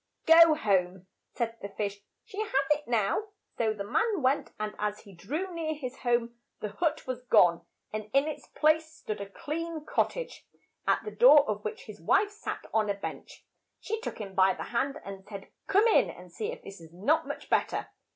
"Go home," said the fish, "she has it now." So the man went, and as he drew near his home, the hut was gone, and in its place stood a clean cot tage, at the door of which his wife sat on a bench. She took him by the hand and said, "Come in now and see if this is not much bet ter."